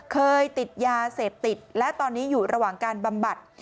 เคยติดยาเสพติดและตอนนี้อยู่ระหว่างการบำบัด